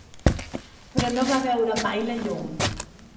Però no va veure mai la llum.